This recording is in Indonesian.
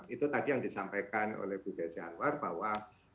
itu tadi yang disampaikan oleh bu desi anwar bahwa